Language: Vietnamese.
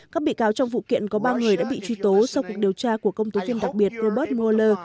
các bị cáo trong vụ kiện có ba người đã bị truy tố sau cuộc điều tra của công tố viên đặc biệt robert mueller